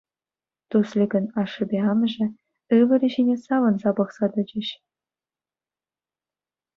Тусликӑн ашшӗпе амӑшӗ ывӑлӗ ҫине савӑнса пӑхса тӑчӗҫ.